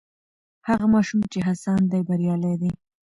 هغه ماشوم چې هڅاند دی بریالی دی.